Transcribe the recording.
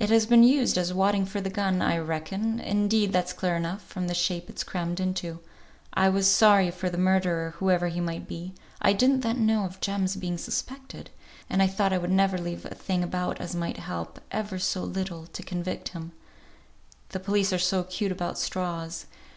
"It has been used as wadding for the gun, I reckon; indeed, that's clear enough, from the shape it's crammed into. I was sorry for the murderer, whoever he might be (I didn't then know of Jem's being suspected), and I thought I would never leave a thing about as might help, if ever so little, to convict him; the police are so 'cute about straws.